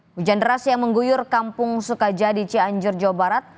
hujan deras yang mengguyur kampung sukajadi cianjur jawa barat